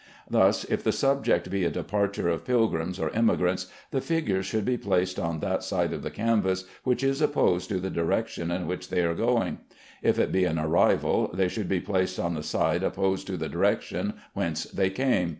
Thus, if the subject be a departure of pilgrims or emigrants, the figures should be placed on that side of the canvas which is opposed to the direction in which they are going. If it be an arrival, they should be placed on the side opposed to the direction whence they came.